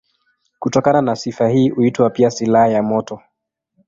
Kutokana na sifa hii huitwa pia silaha ya moto.